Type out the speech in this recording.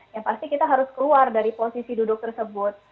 yang pasti kita harus keluar dari posisi duduk tersebut